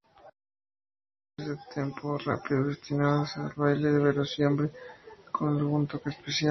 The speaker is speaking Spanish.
Hay canciones de tempo rápido destinadas al baile, pero siempre con algún toque especial.